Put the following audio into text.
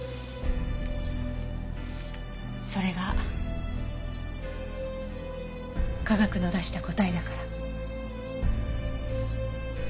それが科学の出した答えだから。